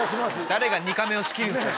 誰が２カメを仕切るんですか？